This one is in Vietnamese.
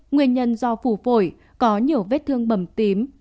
nguyên nhân do phủ phổi có nhiều vết thương bầm tím